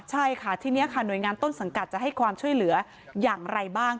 ใช่ค่ะทีนี้ค่ะหน่วยงานต้นสังกัดจะให้ความช่วยเหลืออย่างไรบ้าง